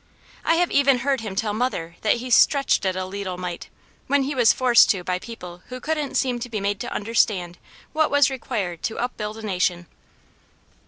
I have even heard him tell mother that he "stretched it a leetle mite," when he was forced to by people who couldn't seem to be made to understand what was required to upbuild a nation.